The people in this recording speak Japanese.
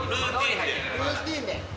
ルーティーンで。